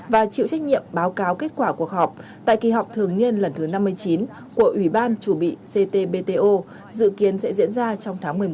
và chịu trách nhiệm báo cáo kết quả cuộc họp tại kỳ họp thường niên lần thứ năm mươi chín của ủy ban chủ bị ctbto dự kiến sẽ diễn ra trong tháng một mươi một